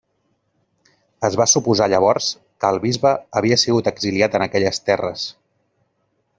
Es va suposar llavors que el bisbe havia sigut exiliat en aquelles terres.